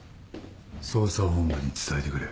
捜査本部に伝えてくれ。